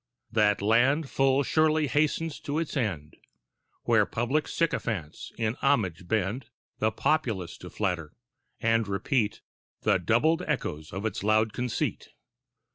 That land full surely hastens to its end Where public sycophants in homage bend The populace to flatter, and repeat The doubled echoes of its loud conceit.